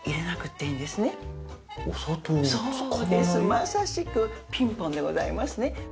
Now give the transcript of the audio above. まさしくピンポンでございますね